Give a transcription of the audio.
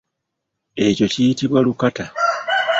Ekyo kiyitibwa lukata.